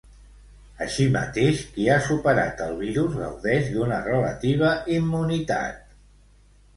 Així mateix, qui ha superat el virus gaudeix d'una relativa immunitat.